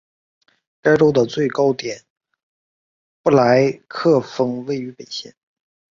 该州的最高点布莱克峰位于本县。